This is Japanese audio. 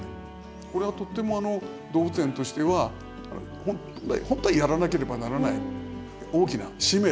これはとっても動物園としては本当はやらなければならない大きな使命だと思うんですよね。